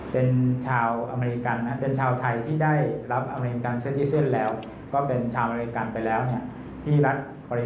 เป็นชาวอเมริกันนะเป็นชาวไทยที่ได้รับอเมริกันเส้นที่เส้นแล้วก็เป็นชาวอเมริกันไปแล้วเนี่ยที่รัฐ